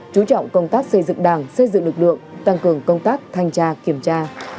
chú trọng công tác xây dựng đảng xây dựng lực lượng tăng cường công tác thanh tra kiểm tra